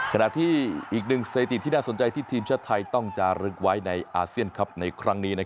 ขณะที่อีกหนึ่งสถิติที่น่าสนใจที่ทีมชาติไทยต้องจารึกไว้ในอาเซียนในครั้งนี้